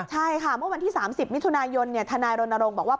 ใช่ค่ะมุมวันที่๓๐มิถุนายนทนายโรนโรงบอกว่า